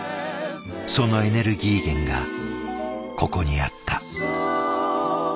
そのエネルギー源がここにあった。